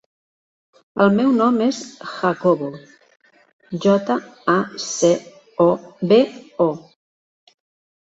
El meu nom és Jacobo: jota, a, ce, o, be, o.